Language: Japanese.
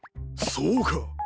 そうか！